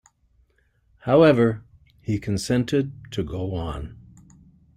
However, he consented to go on.